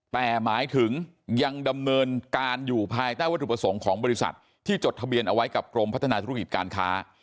แต่หมายถึงยังดำเนินการอยู่ภายใต้วัตถุประสงค์ของบริษัทที่จดทะเบียนเอาไว้กับกรมพัฒนาธุรกิจการค้า